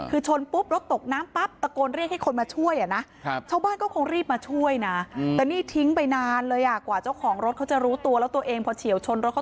อุ๊ยถนนมันแค่นิดเดียวใช่ค่ะ